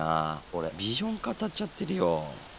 俺ビジョン語っちゃってるよ。